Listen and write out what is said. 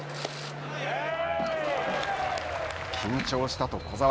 緊張したと小澤。